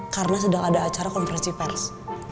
karena sedang ada acara konversi pers